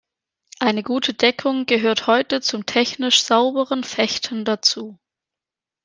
Eine gute Deckung gehört heute zum technisch sauberen Fechten dazu.